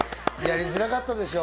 やりづらかったでしょ？